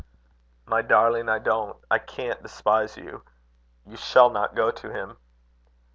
"My darling, I don't, I can't despise you. You shall not go to him."